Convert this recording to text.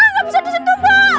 nggak bisa disitu mbak